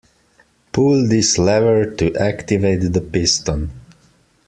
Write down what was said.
Pull this lever to activate the piston.